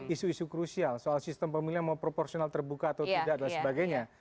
isu isu krusial soal sistem pemilihan mau proporsional terbuka atau tidak dan sebagainya